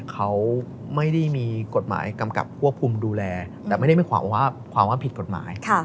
เขาไม่ได้มีกฎหมายกำกับควบคุมดูแลแต่ไม่ได้ไม่ขวางว่าความว่าผิดกฎหมาย